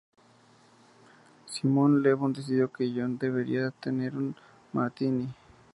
Simon Le Bon decidió que John debería tener un martini.